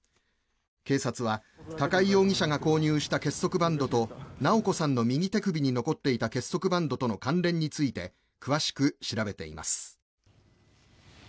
警察は高井容疑者が購入した結束バンドと直子さんの右手首に残っていた結束バンドとの関連について詳しく調べています。